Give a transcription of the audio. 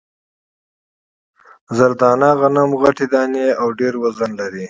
زر دانه غنم غټې دانې او ډېر وزن لري.